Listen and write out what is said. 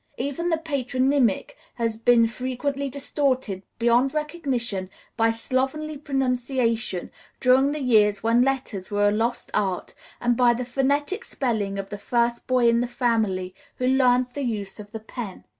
Even the patronymic has been frequently distorted beyond recognition by slovenly pronunciation during the years when letters were a lost art, and by the phonetic spelling of the first boy in the family who learned the use of the pen.